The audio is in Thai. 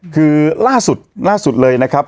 คือล่าสุดเลยนะครับ